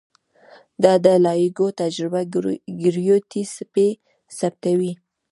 د لایګو تجربه ګرویتي څپې ثبتوي.